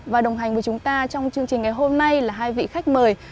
và đồng hành với chúng ta trong chương trình ngày hôm nay là hai vị khách mời